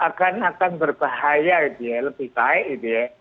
akan akan berbahaya gitu ya lebih baik gitu ya